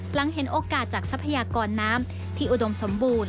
หลังเห็นโอกาสจากทรัพยากรน้ำที่อุดมสมบูรณ